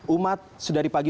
umat sedari pagi